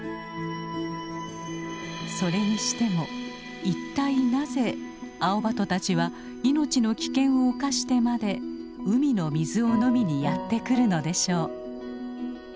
それにしても一体なぜアオバトたちは命の危険を冒してまで海の水を飲みにやって来るのでしょう。